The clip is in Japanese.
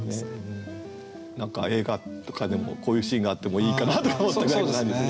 何か映画とかでもこういうシーンがあってもいいかなとか思ったぐらいの感じですね。